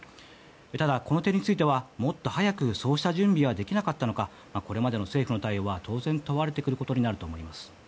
ただ、この点についてはもっと早くそうした準備はできなかったのかこれまでの政府の対応は当然、問われてくることになると思います。